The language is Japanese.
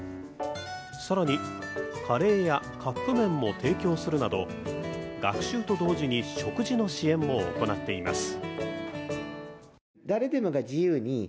更に、カレーやカップ麺も提供するなど学習と同時に食事の支援も行っています。